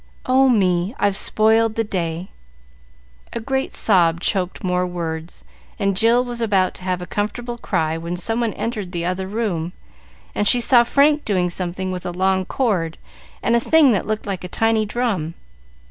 Oh, me, I've spoiled the day!" A great sob choked more words, and Jill was about to have a comfortable cry, when someone entered the other room, and she saw Frank doing something with a long cord and a thing that looked like a tiny drum.